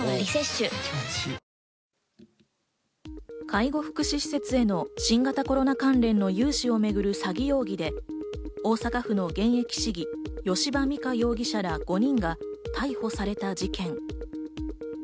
介護福祉施設への新型コロナ関連の融資をめぐる詐欺容疑で、大阪府の現役市議・吉羽美華容疑者ら５人が逮捕された事件。